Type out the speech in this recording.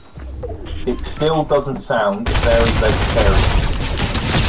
It still doesn’t sound very vegetarian.